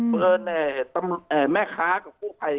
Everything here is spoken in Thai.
เบิร์นเนี่ยแม่ค้ากับผู้ไพร